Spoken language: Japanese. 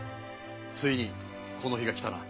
ついにこの日が来たな。